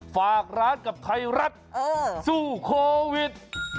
ฝากร้านกับไทยรัฐสู้โควิด